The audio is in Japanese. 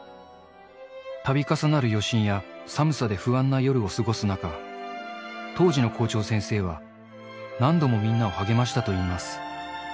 たび重なる余震や、寒さで不安な夜を過ごす中、当時の校長先生は、何度もみんなを励ましたといいます。